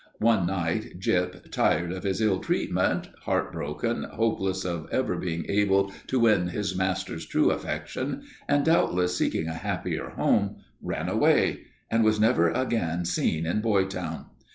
One night Gyp, tired of his ill treatment, heartbroken, hopeless of ever being able to win his master's true affection, and doubtless seeking a happier home, ran away and was never again seen in Boytown.